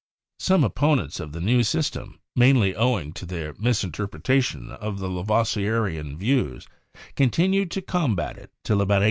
Some opponents of the new system, mainly owing to their misinterpretation of the Lavoisieriain views, contin ued to combat it till about 1800.